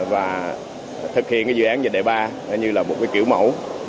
và thực hiện cái dự án về đại ba như là một cái kiểu mẫu